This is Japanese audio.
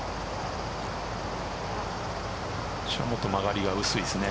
もうちょっと曲がりが薄いですね。